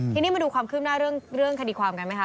ทีนี้มาดูความคืบหน้าเรื่องคดีความกันไหมคะ